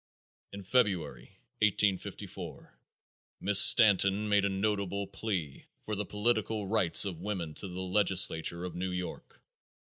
In February, 1854, Mrs. Stanton made a notable plea for the political rights of women to the legislature of New York.